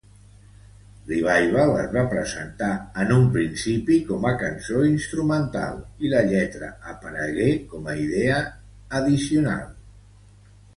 "Revival" es va presentar en un principi com a cançó instrumental i la lletra aparegué com a idea addicional.